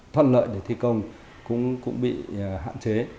thuận lợi để thi công cũng bị hạn chế